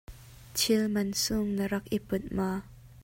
Thil mansung na rak i put maw?